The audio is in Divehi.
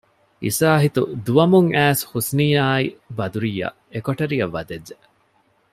އިސާހިތު ދުވަމުން އައިސް ޙުސްނީއާއި ބަދުރިއްޔާ އެކޮޓަރިއަށް ވަދެއްޖެ